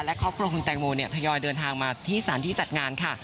และครอบครัวคุณแตงโมเนี่ยทยอยเดินทางมาที่สถานที่จัดงานค่ะ